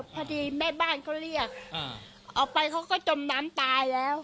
พอดีแม่บ้านเขาเรียกออกไปเขาก็จมน้ำตายแล้ว